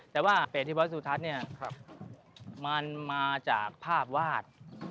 แต่ว่าเปรตที่พระสุทัศน์มันมาจากภาพวาด